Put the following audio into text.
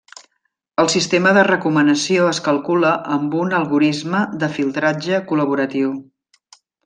El sistema de recomanació es calcula amb un algorisme de filtratge col·laboratiu.